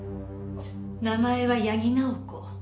名前は八木直子。